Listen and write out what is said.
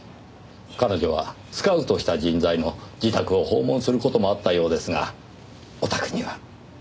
彼女はスカウトした人材の自宅を訪問する事もあったようですがお宅には？